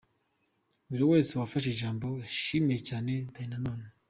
Buri wese wafashe ijambo yashimiye cyane Dany Nanone.